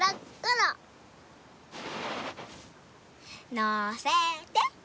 のせて。